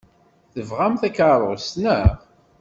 Tebɣam takeṛṛust, naɣ?